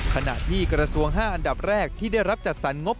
ขณะที่กระทรวง๕อันดับแรกที่ได้รับจัดสรรงบ